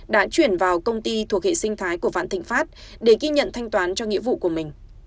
đã chuyển vào công ty thuộc hệ sinh thái của vạn thịnh pháp để ghi nhận thanh toán cho nghĩa vụ của mình